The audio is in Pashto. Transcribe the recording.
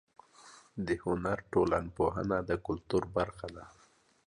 د هنر ټولنپوهنه د کلتور برخه ده.